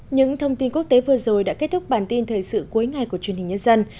những thông tin quốc tế vừa rồi đã kết thúc bản tin thời sự cuối ngày của truyền hình nhân dân